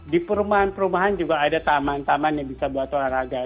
di perumahan perumahan juga ada taman taman yang bisa buat olahraga